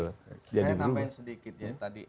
saya nambahin sedikit ya tadi